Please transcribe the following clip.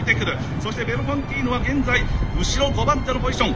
そしてベルフォンティーヌは現在後ろ５番手のポジション。